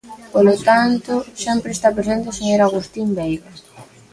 Polo tanto, sempre está presente o señor Agustín Beiga.